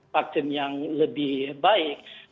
vaksin yang lebih baik